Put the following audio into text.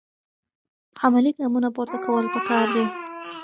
عملي ګامونه پورته کول پکار دي.